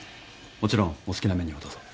もちろんお好きなメニューをどうぞ。